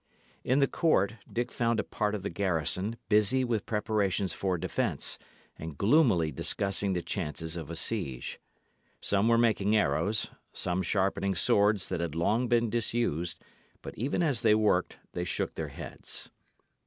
In the court, Dick found a part of the garrison, busy with preparations for defence, and gloomily discussing the chances of a siege. Some were making arrows, some sharpening swords that had long been disused; but even as they worked, they shook their heads.